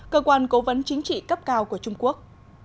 cơ quan cố vấn chính trị cấp cao của trung quốc